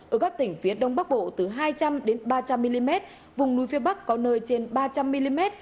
ở các tỉnh phía đông bắc bộ từ hai trăm linh ba trăm linh mm vùng núi phía bắc có nơi trên ba trăm linh mm